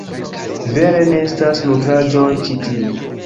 Vere ne estas nutraĵoj ĉi tie